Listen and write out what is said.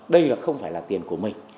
đây không phải là tiền của mình